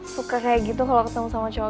suka kayak gitu kalo ketemu sama cuaknya